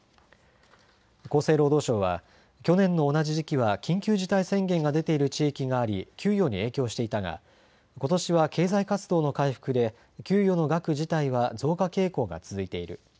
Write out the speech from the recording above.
厚生労働省は去年の同じ時期は緊急事態宣言が出ている地域があり、給与に影響していたがことしは経済活動の回復で給与の額自体は増加傾向が続いている。